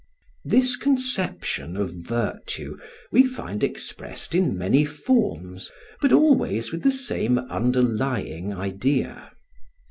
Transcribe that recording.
This conception of virtue we find expressed in many forms, but always with the same underlying idea.